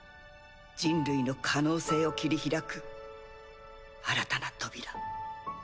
人類の可能性を切り開く新たな扉。